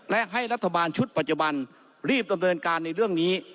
และให้รัฐบาลชุดปัจจุบันรีบดำเนินการในเรื่องนี้